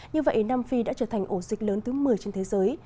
như vậy nam phi đã trở thành ổ dịch lớn thứ một mươi trên thế giới